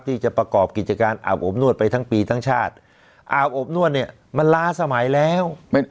ที่จะประกอบกิจการอาบอบนวดไปทั้งปีทั้งชาติอาบอบนวดเนี่ยมันล้าสมัยแล้ว